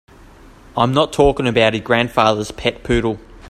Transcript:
I'm not talking about his grandfather's pet poodle.